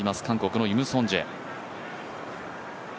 韓国のイム・ソンジェ。